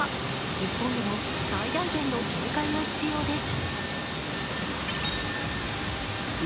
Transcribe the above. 日本でも最大限の警戒が必要です。